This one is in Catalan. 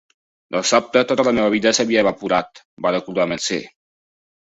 De sobte tota la meva vida s'havia evaporat, va recordar Mercer.